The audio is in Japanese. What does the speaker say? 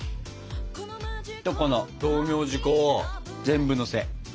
とこの道明寺粉を全部のせ。